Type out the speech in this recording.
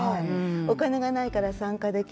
お金がないから参加できないとか。